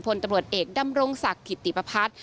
พลตำรวจเอกดำรงศักดิ์ขิตติปภัทร